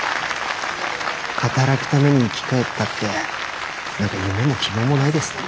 働くために生き返ったって何か夢も希望もないですね。